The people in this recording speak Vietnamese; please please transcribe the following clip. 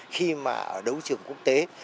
khi mà ở đấu trường quốc tế